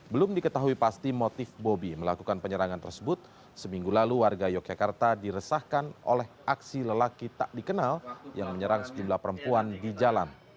belum diketahui pasti motif bobi melakukan penyerangan tersebut seminggu lalu warga yogyakarta diresahkan oleh aksi lelaki tak dikenal yang menyerang sejumlah perempuan di jalan